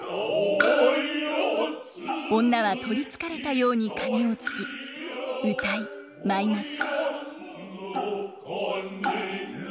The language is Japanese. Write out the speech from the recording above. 女は取りつかれたように鐘を撞き謡い舞います。